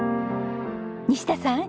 西田さん